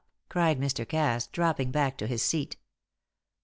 cried Mr. Cass, dropping back into his seat.